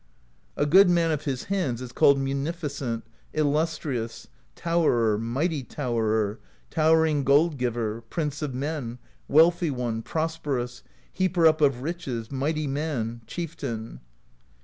"A good man of his hands is called Munificent, Illustri ous, Towerer, Mighty Towerer, Towering Gold Giver, Prince of Men, Wealthy One, Prosperous, Heaper Up of Riches, Mighty Man, Chieftain.